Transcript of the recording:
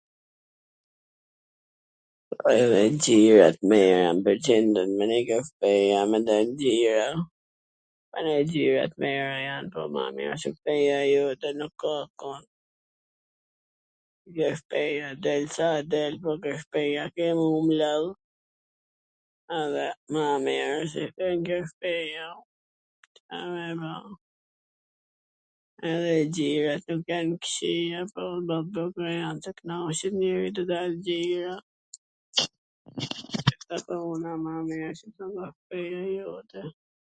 edhe xhirot t mira jan po m pwlqen ke shpija, ma mir se shpija jote nuk ka kund, del sa del, po ke shpia jote ke me u mledh edhe ma mir